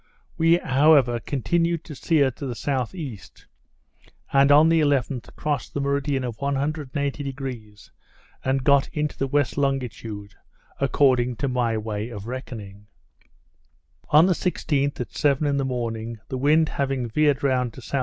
We however continued to steer to the S.E., and on the 11th crossed the meridian of 180°, and got into the west longitude, according to my way of reckoning. On the 16th, at seven in the morning, the wind having veered round to S.E.